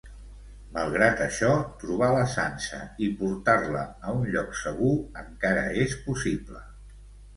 Malgrat això, trobar la Sansa i portar-la a un lloc segur encara és possible.